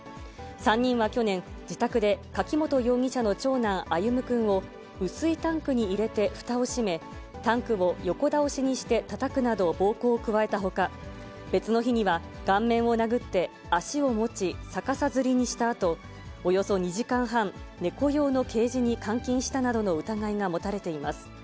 ３人は去年、自宅で、柿本容疑者の長男、歩夢くんを雨水タンクに入れて、ふたを閉め、タンクを横倒しにしてたたくなど暴行を加えたほか、別の日には顔面を殴って、足を持ち、逆さづりにしたあと、およそ２時間半、猫用のケージに監禁したなどの疑いが持たれています。